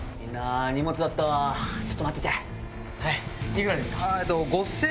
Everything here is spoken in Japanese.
荷物だったわちょっと待ってて。